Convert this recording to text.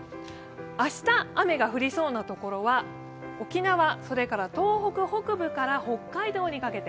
明日、雨が降りそうなところは沖縄それから東北北部から北海道にかけて。